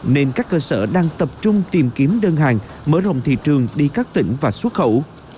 nên các cơ sở đang tập trung tìm kiếm đơn hàng mở rộng thị trường đi các tỉnh và xuất khẩu